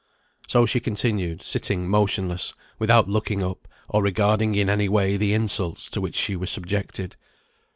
So she continued sitting motionless, without looking up, or regarding in any way the insults to which she was subjected.